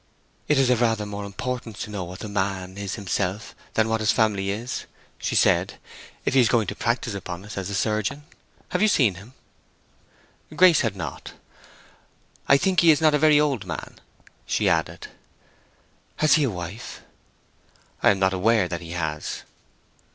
"It is of rather more importance to know what the man is himself than what his family is," she said, "if he is going to practise upon us as a surgeon. Have you seen him?" Grace had not. "I think he is not a very old man," she added. "Has he a wife?" "I am not aware that he has."